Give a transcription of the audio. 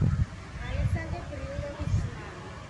ალექსანდრე ბრიულოვის ძმა.